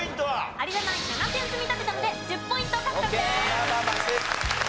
有田ナイン７点積み立てたので１０ポイント獲得です。